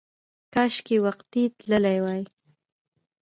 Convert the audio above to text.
کاشکې وختي تللی وای!